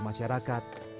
sebagai pusat kegiatan belajar